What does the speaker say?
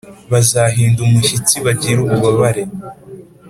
bazahinda umushyitsi, bagire ububabare